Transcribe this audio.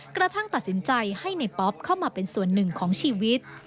กระทั่งตัดสินใจให้ในป๊อปเข้ามาเป็นส่วนหนึ่งของชีวิต